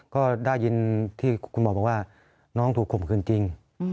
ก็ได้ยินที่คุณหมอบอกว่าน้องถูกข่มขืนจริง